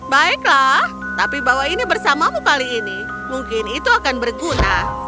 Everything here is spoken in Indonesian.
baiklah tapi bawa ini bersamamu kali ini mungkin itu akan berguna